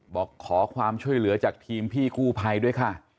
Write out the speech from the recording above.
บอกขอความช่วยเหลือจากทีมพี่กู้ภัยด้วยค่ะ